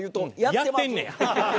やってんねや！